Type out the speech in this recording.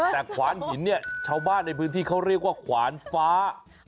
แต่ขวานหินเนี่ยชาวบ้านในพื้นที่เขาเรียกว่าขวานฟ้า